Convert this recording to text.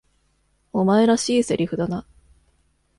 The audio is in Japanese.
お前らしい台詞だな。